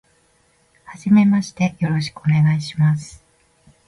初めましてよろしくお願いします。